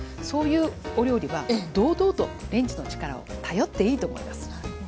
そういうお料理は堂々とレンジの力を頼っていいと思います。